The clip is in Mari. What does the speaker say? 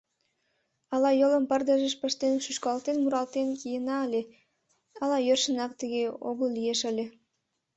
Ала йолым пырдыжыш пыштен шӱшкалтен-муралтен киена ыле, ала йӧршынак тыге огыл лиеш ыле.